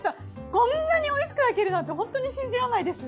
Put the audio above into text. こんなにおいしく焼けるなんてホントに信じられないです。